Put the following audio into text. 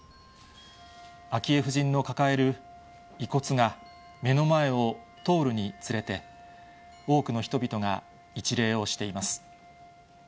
昭恵夫人の抱える遺骨が目の前を通るにつれて、多くの人々が一礼をしています。